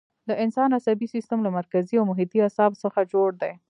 د انسان عصبي سیستم له مرکزي او محیطي اعصابو څخه جوړ دی.